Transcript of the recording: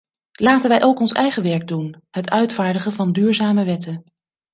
Laten wij ook ons eigen werk doen: het uitvaardigen van duurzame wetten.